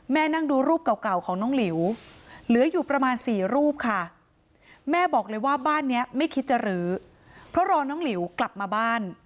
นั่งดูรูปเก่าของน้องหลิวเหลืออยู่ประมาณ๔รูปค่ะแม่บอกเลยว่าบ้านนี้ไม่คิดจะรื้อเพราะรอน้องหลิวกลับมาบ้าน